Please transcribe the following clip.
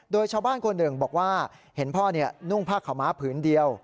โดยชาวบ้านคนหนึ่งบอกว่าเห็นพ่อนุ่งผ้าขาวม้าผืนเดียว